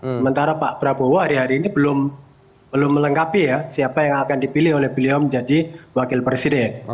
sementara pak prabowo hari hari ini belum melengkapi ya siapa yang akan dipilih oleh beliau menjadi wakil presiden